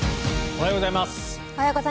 おはようございます。